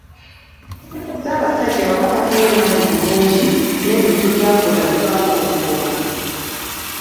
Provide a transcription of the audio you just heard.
Ssaabasajja bwaba tafunye maanyi bulungi n'ebintu byaba akola bibaako webikoma.